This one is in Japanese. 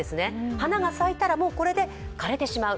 花が咲いたらもうこれで枯れてしまう。